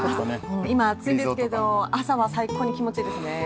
今暑いんですけど朝は最高に気持ちいいですね。